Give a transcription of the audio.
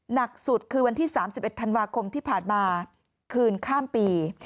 หนักสุดคือวันที่๓๑ธันวาคมที่ผ่านมาคืนข้ามปี